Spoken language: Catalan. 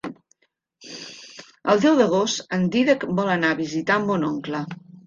El deu d'agost en Dídac vol anar a visitar mon oncle.